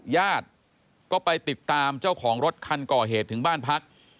ญาติก็ไปติดตามเจ้าของรถคันก่อเหตุถึงบ้านพัก